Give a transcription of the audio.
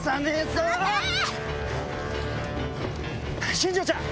新條ちゃん！